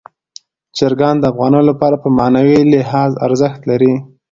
چرګان د افغانانو لپاره په معنوي لحاظ ارزښت لري.